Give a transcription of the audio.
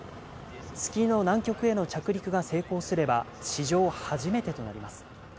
月の南極への着陸が成功すれば史上初めてとなります。